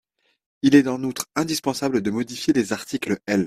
Il est en outre indispensable de modifier les articles L.